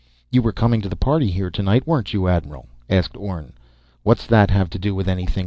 "You were coming to the party here tonight, weren't you, admiral?" asked Orne. "What's that have to do with anything?"